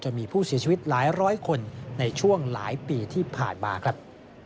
มีผู้เสียชีวิตหลายร้อยคนในช่วงหลายปีที่ผ่านมาครับ